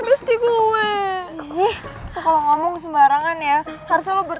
besar membersih kesehatan